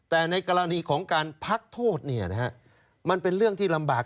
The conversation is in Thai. แต่ในกรณีของการพักโทษมันเป็นเรื่องที่ลำบาก